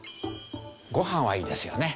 ごはんはいいですよね。